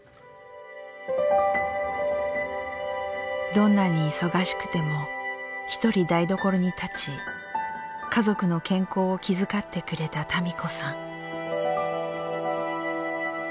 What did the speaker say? どんなに忙しくても１人、台所に立ち家族の健康を気遣ってくれた多美子さん。